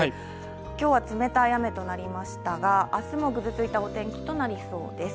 今日は冷たい雨となりましたが、明日もぐずついたお天気となりそうです。